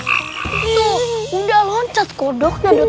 tuh udah loncat kodoknya